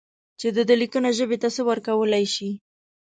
چې د ده لیکنه ژبې ته څه ورکولای شي.